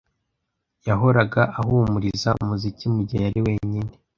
Yahoraga ahumuriza umuziki mugihe yari wenyine.